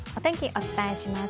お伝えします。